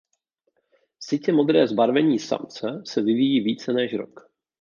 Sytě modré zbarvení samce se vyvíjí více než rok.